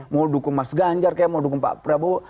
mau dukung mas ganjar kayak mau dukung pak prabowo